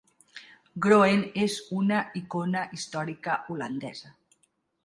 Groen és una icona històrica holandesa.